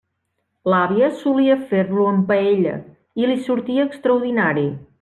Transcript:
L'àvia solia fer-lo en paella i li sortia extraordinari.